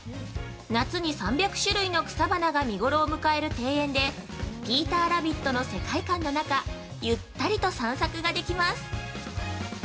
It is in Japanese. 夏に３００種類の草花が見ごろを迎える庭園でピーターラビットの世界観の中ゆったりと散策ができます。